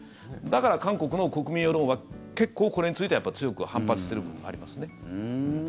だから韓国の国民世論は結構これについては強く反発してる部分ありますね。